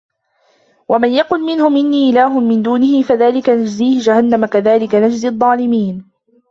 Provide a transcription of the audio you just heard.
وَمَنْ يَقُلْ مِنْهُمْ إِنِّي إِلَهٌ مِنْ دُونِهِ فَذَلِكَ نَجْزِيهِ جَهَنَّمَ كَذَلِكَ نَجْزِي الظَّالِمِينَ